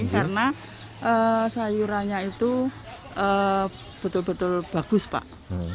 karena sayurannya itu betul betul bagus pak